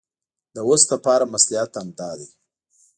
د اوس لپاره مصلحت همدا دی.